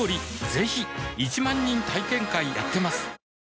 ぜひ１万人体験会やってますはぁ。